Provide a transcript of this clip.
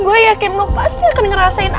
gue yakin lo pasti akan ngerasain